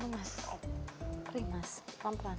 mas kering mas pelan pelan